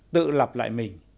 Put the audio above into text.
tự lập lại mình